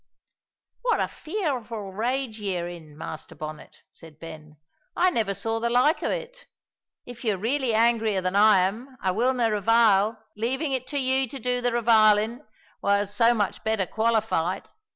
"What a fearful rage ye're in, Master Bonnet," said Ben. "I never saw the like o' it. If ye're really angrier than I am, I willna revile; leavin' it to ye to do the revilin' wha are so much better qualified.